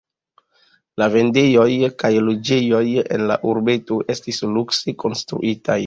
La vendejoj kaj loĝejoj en la urbeto estis lukse konstruitaj.